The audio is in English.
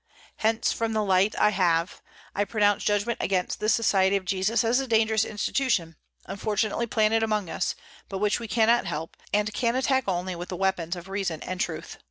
Hence, from the light I have, I pronounce judgment against the Society of Jesus as a dangerous institution, unfortunately planted among us, but which we cannot help, and can attack only with the weapons of reason and truth.